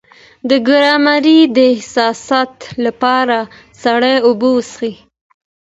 د ګرمۍ د حساسیت لپاره سړې اوبه وڅښئ